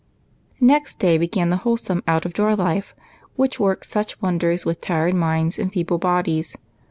Kext day began the wholesome out of door life, 144 EIGHT COUSINS, which works such wonders with tired minds and feeble bodies.